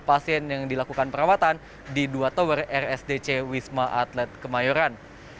pasien yang dilakukan perawatan di dua tower rsdc wisma atlet kemayoran